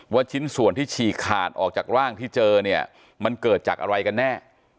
ชิ้นส่วนที่ฉีกขาดออกจากร่างที่เจอเนี่ยมันเกิดจากอะไรกันแน่